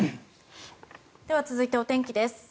続いてお天気です。